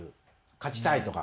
勝ちたいとか。